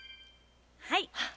はい。